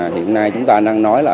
hiện nay chúng ta đang nói là